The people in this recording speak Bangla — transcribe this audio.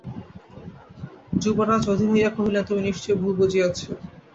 যুবরাজ অধীর হইয়া কহিলেন, তুমি নিশ্চয়ই ভুল বুঝিয়াছ!